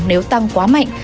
nếu tăng quá mạnh